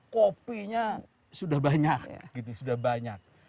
kopinya sudah banyak